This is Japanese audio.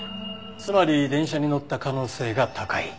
つまり電車に乗った可能性が高い。